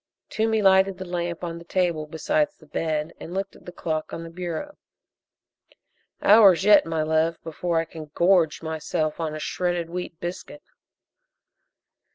Toomey lighted the lamp on the table beside the bed and looked at the clock on the bureau. "Hours yet, my love, before I can gorge myself on a shredded wheat biscuit."